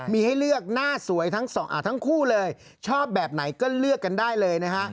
มีให้เลือกหน้าสวยทั้งคู่เลยชอบแบบไหนก็เลือกกันได้เลยนะฮะ